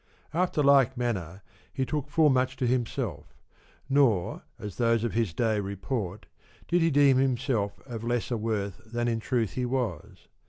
After like manner he took full much to himself; nor, as those of his day report, did he deem himself of 11 lesser worth than in truth he was.